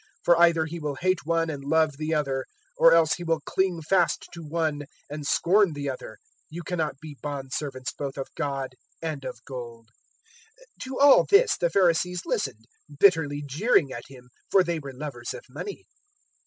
For either he will hate one and love the other, or else he will cling fast to one and scorn the other. You cannot be bondservants both of God and of gold." 016:014 To all this the Pharisees listened, bitterly jeering at Him; for they were lovers of money.